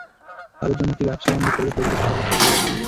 তাঁদের জন্য একটি ব্যবসাবান্ধব পরিবেশ তৈরি করতে সরকার কাজ করে যাচ্ছে।